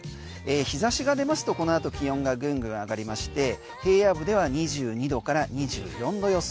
日差しが出ますとこのあと気温がぐんぐん上がりまして平野部では２２度から２４度予想。